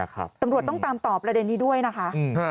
ตำรวจต้องตามต่อประเด็นนี้ด้วยนะคะ